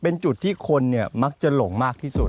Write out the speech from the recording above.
เป็นจุดที่คนเนี่ยมักจะหลงมากที่สุด